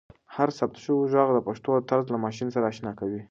هر ثبت شوی ږغ د پښتو طرز له ماشین سره اشنا کوي.